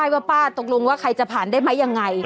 ว่าป้าตกลงว่าใครจะผ่านได้ไหมยังไง